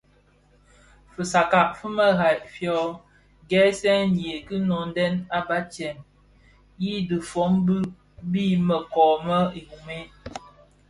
Fitsakka fi marai fyo ghësèyi ki noňdè a batsèm i dhifombu bi më kōō më Jrume.